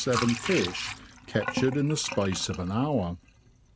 seven fish captured in the space of an hour.